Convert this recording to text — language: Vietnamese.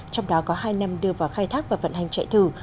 trong đó có hai năm đưa vào khai thác và vận hành chạy thử